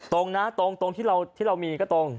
ตรงนะตรงที่เรามีก็ตรง